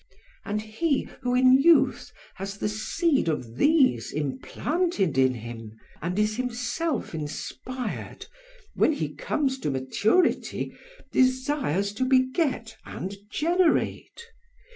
And he who in youth has the seed of these implanted in him and is himself inspired, when he comes to maturity desires to beget and generate.